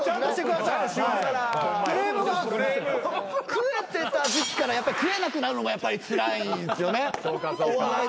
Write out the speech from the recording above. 食えてた時期から食えなくなるのがつらいんすよねお笑いで。